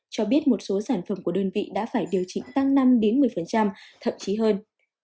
cho biết một số sản phẩm của đơn vị đã phải điều chỉnh tăng năm một mươi thậm chí hơn